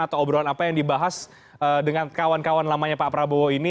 atau obrolan apa yang dibahas dengan kawan kawan lamanya pak prabowo ini